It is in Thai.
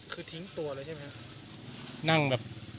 คือทิ้งตัวเลยใช่ไหมครับ